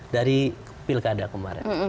dari pilkada kemarin